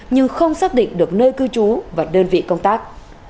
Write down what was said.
nhưng không xác định được nơi cư trú và đơn vị công tác